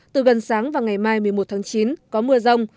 từ gần sáng và ngày mai một mươi một tháng chín có mưa rông